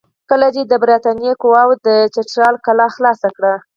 کله چې د برټانیې قواوو د چترال کلا خلاصه کړه.